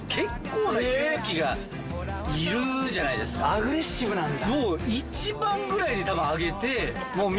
アグレッシブなんだ。